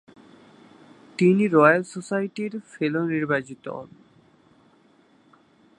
তিনি রয়াল সোসাইটির ফেলো নির্বাচিত হন।